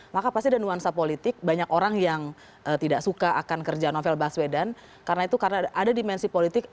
maka pasti ada nuansa politik banyak orang yang tidak suka akan kerja novel baswedan karena itu karena ada dimensi politik